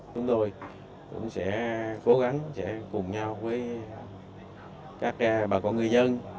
chúng tôi cũng sẽ cố gắng sẽ cùng nhau với các bà con ngư dân